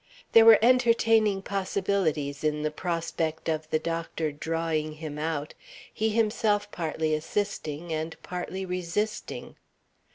There were entertaining possibilities in the prospect of the doctor drawing him out he himself partly assisting and partly resisting.